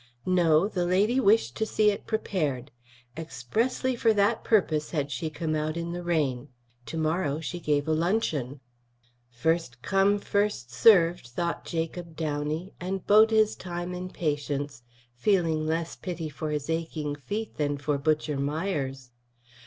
No, the lady wished to see it prepared. Expressly for that purpose had she come out in the rain. To morrow she gave a luncheon. "First come first served," thought Jacob Downey, and bode his time in patience, feeling less pity for his aching feet than for Butcher Myers.